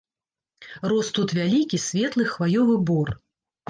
Рос тут вялікі, светлы хваёвы бор.